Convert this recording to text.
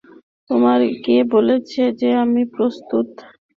তোমায় কে বলেছে যে আমি প্রস্তুত?